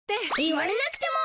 言われなくても。